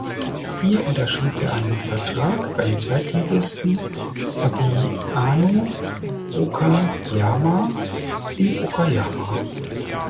Hier unterschrieb er einen Vertrag beim Zweitligisten Fagiano Okayama in Okayama.